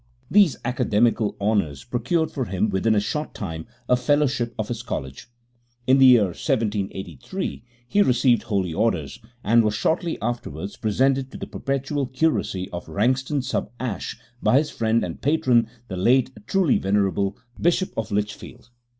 These academical honours procured for him within a short time a Fellowship of his College. In the year 1783 he received Holy Orders, and was shortly afterwards presented to the perpetual Curacy of Ranxton sub Ashe by his friend and patron the late truly venerable Bishop of Lichfield....